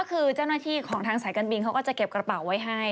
ก็คือเจ้าหน้าที่ของทางสายการบินเขาก็จะเก็บกระเป๋าไว้ให้